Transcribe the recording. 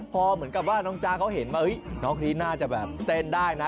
พอเหมือนกับว่าน้องจ๊ะเขาเห็นว่าน้องคนนี้น่าจะแบบเต้นได้นะ